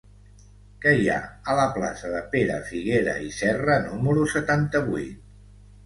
Què hi ha a la plaça de Pere Figuera i Serra número setanta-vuit?